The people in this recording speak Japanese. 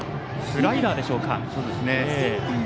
スライダーでしょうか。